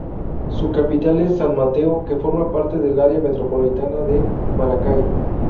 Su capital es San Mateo que forma parte del área metropolitana de Maracay.